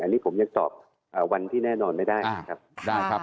อันนี้ผมยังตอบวันที่แน่นอนไม่ได้ครับ